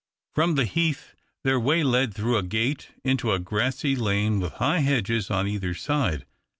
From the heath their way lay through a gate into a grassy lane with high hedges on either side.